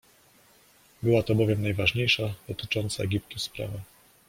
Była to bowiem najważniejsza dotycząca Egiptu sprawa.